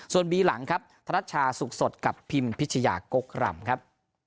ส่วนบีหลังครับธนัชชาสุขสดกับพิมพิชยากกรำครับ